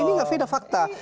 ini gak fitnah fakta